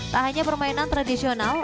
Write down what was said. tak hanya permainan tradisional